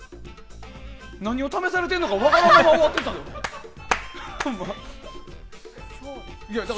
何を試されているのか分からないまま終わったから。